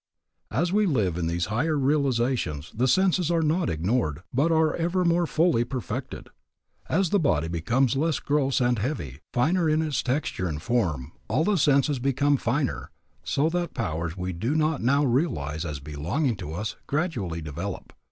As we live in these higher realizations the senses are not ignored but are ever more fully perfected. As the body becomes less gross and heavy, finer in its texture and form, all the senses become finer, so that powers we do not now realize as belonging to us gradually develop.